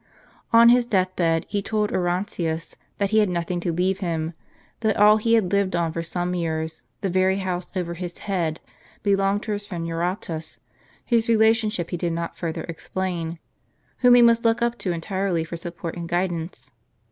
On his death bed, he told Orontius that he had nothing to leave him, that all he had lived on for some years, the very house over his head, belonged to his friend Eurotas, whose relationship he did not further explain, whom he must look up to entirely for support and guidance.